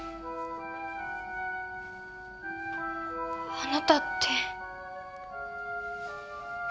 あなたって。